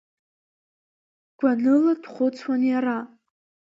Гәаныла дхәыцуан иара.